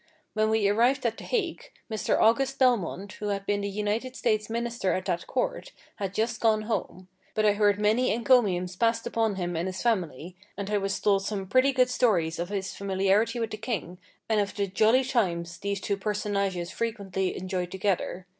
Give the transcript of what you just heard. When we arrived at the Hague, Mr. August Belmont, who had been the United States Minister at that court, had just gone home; but I heard many encomiums passed upon him and his family, and I was told some pretty good stories of his familiarity with the king, and of the "jolly times" these two personages frequently enjoyed together.